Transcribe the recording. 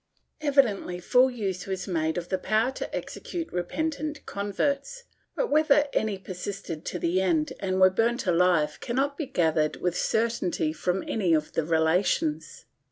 Evidently full use was made of the power to execute repentant converts, but whether any persisted to the end and were burnt alive cannot be gathered with certainty from any of the relations.